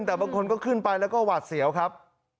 แต่บางคนก็ขึ้นไปแล้วก็หวาดเสียวครับ